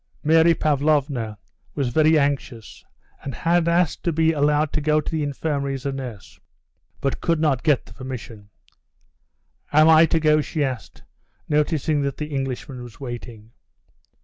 Mary Pavlovna was very anxious, and had asked to be allowed to go to the infirmary as a nurse, but could not get the permission. "Am I to go?" she asked, noticing that the Englishman was waiting.